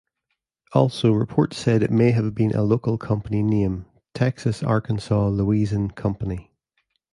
Also reports said it may have been a local company name Texas-Arkansas-Louisian Company.